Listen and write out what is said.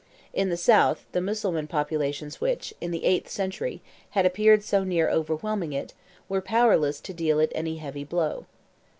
In the south, the Mussulman populations which, in the eighth century, had appeared so near overwhelming it, were powerless to deal it any heavy blow.